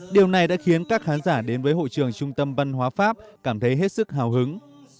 điều này đã khiến các khán giả đến với hội trường trung tâm văn hóa pháp cảm thấy hết sức hào hứng